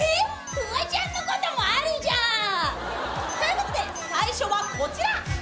フワちゃんのこともあるじゃん！ということで最初はこちら！